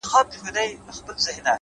هره ستونزه یو درس لري.!